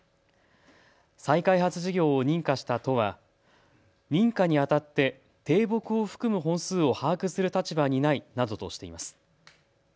再開発事業を認可した都は認可にあたって低木を含む本数を把握する立場にないなどとしています。